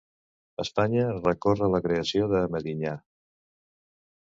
Espanya recorre la creació de Medinyà